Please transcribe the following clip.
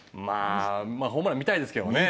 まあホームラン見たいですけどもね。